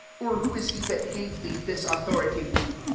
or who is he that gave thee this authority